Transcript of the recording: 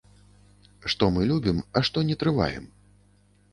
Што мы любім, а што не трываем?